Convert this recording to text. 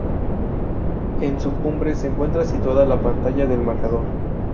En su cumbre se encuentra situada la pantalla del marcador.